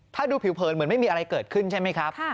ถ้าดูผิวเผินเหมือนไม่มีอะไรเกิดขึ้นใช่ไหมครับ